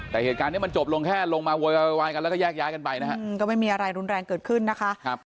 แต่เหตุการณ์นี้มันจบลงแค่ลงมาโวยวายกันแล้วก็แยกย้ายกันไปนะฮะก็ไม่มีอะไรรุนแรงเกิดขึ้นนะคะ